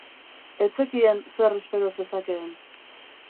Ez zekien zer espero zezakeen.